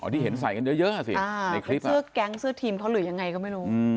ที่เห็นใส่กันเยอะสิในคลิปเสื้อแก๊งเสื้อทีมเขาหรือยังไงก็ไม่รู้